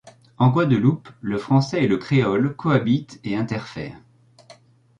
En Guadeloupe, le français et le créole cohabitent et interfèrent.